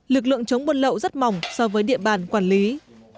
lực lượng chống buôn lậu rất mỏng so với địa bàn quản lý